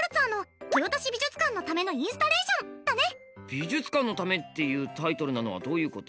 「美術館のため」っていうタイトルなのはどういうこと？